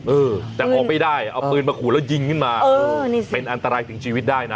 เออแต่ออกไม่ได้เอาปืนมาขู่แล้วยิงขึ้นมาเป็นอันตรายถึงชีวิตได้นะ